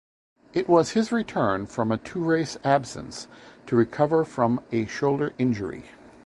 It was his return from a two-race absence to recover from a shoulder injury.